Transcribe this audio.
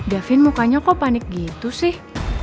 davin mukanya kok panik gitu sih